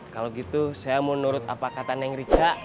kalau gitu saya mau nurut apa kata neng rika